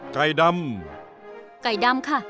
ไก่ดำ